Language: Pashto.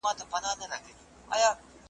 د لېوه بچی آخر د پلار په خوی سي `